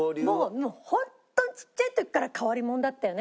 もうホントにちっちゃい時から変わり者だったよね